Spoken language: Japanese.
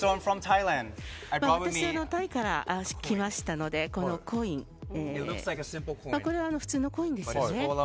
私はタイから来ましたので、このコインこれは普通のコインですよね。